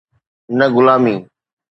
نه غلامي.